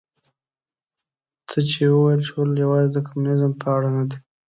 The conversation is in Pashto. څه چې وویل شول یوازې د کمونیزم په اړه نه دي.